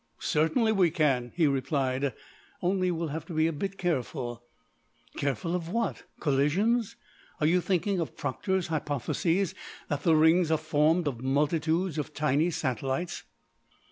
"Certainly we can," he replied, "only we'll have to be a bit careful." "Careful, what of collisions? Are you thinking of Proctor's hypothesis that the rings are formed of multitudes of tiny satellites?"